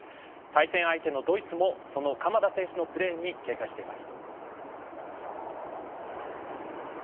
対戦相手のドイツもその鎌田選手のプレーに警戒しています。